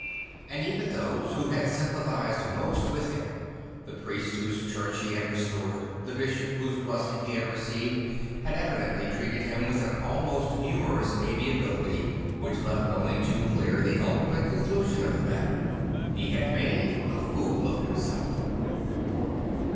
And even those \vho had sympathised most with him, the priest whose church he had restored, the bishop whose blessing he had received, had evidently treated him with an almost humorous amiability which left only too clear the ultimate conclusion. of the matter. He had made a fool of himself.